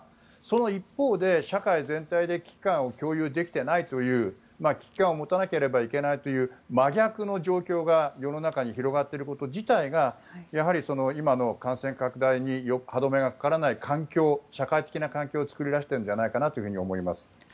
一方で社会全体で危機感を共有できていないという危機感を持たなければいけないという真逆の状況が世の中に広がっていること自体が今の感染拡大に歯止めがかからない社会的な環境を作り出しているんじゃないかと思います。